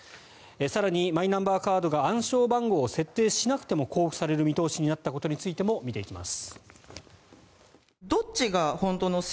更に、マイナンバーカードが暗証番号を設定しなくても交付される見通しになったことについても見ていきます。